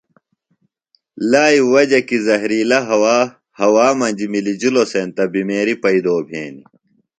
لائی وجہ کی زہرِلہ ہوا ہوا مجیۡ مِلِجلوۡ سینتہ بِمیریہ ہیدوۡ بھینیۡ